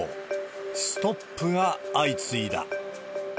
ストップが相次いだ。